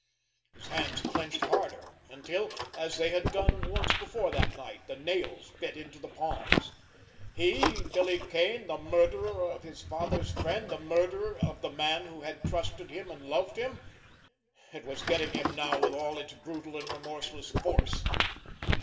His hands clenched harder, until, as they had done once before that night, the nails bit into the palms. He, Billy Kane—the murderer of his father's friend, the murderer of the man who had trusted him and loved him! It was getting him now with all its brutal and remorseless force!